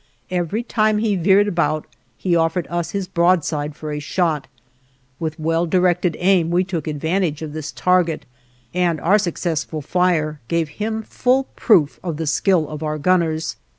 Every time he veered about he offered us his broadside for a shot; with well directed aim we took advantage of this target, and our successful fire gave him full proof of the skill of our gunners.